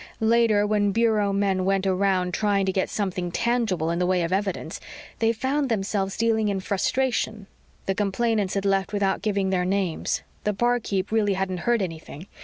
Later, when Bureau men went around trying to get something tangible in the way of evidence, they found themselves dealing in frustration. The complainants had left without giving their names. The barkeep really hadn't heard anything.